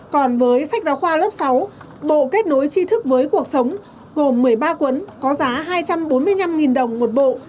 còn với sách giáo khoa lớp sáu bộ kết nối chi thức với cuộc sống gồm một mươi ba cuốn có giá hai trăm bốn mươi năm đồng một bộ